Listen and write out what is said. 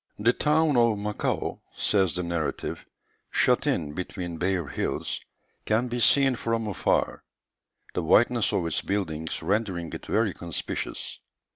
"The town of Macao," says the narrative, "shut in between bare hills, can be seen from afar; the whiteness of its buildings rendering it very conspicuous.